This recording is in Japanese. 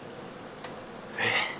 えっ？